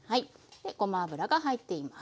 でごま油が入っています。